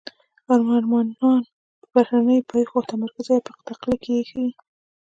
هنرمنان پر بهرنیو پېښو تمرکز کوي او په تقلید کې یې ښيي